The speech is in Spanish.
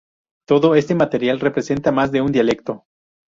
Todo este material representa más de un dialecto.